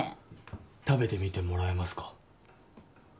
食べてみてもらえますか？